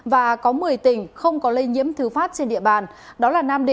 và có một mươi tỉnh không có lây nhiễm thứ phát trên địa bàn